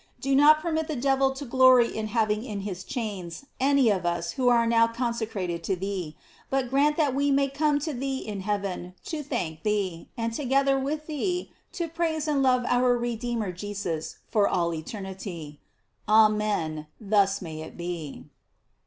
Do not permit the devil to glory in having in his chains any of us who are now con secrated to thee; but grant that we may come to thee in heaven to thank thee, and together with thee to praise and love our Redeemer Jesus for all eternity. Amen, thus may it be.